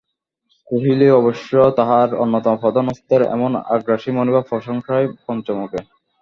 কোহলি অবশ্য তাঁর অন্যতম প্রধান অস্ত্রের এমন আগ্রাসী মনোভাবে প্রশংসায় পঞ্চমুখ।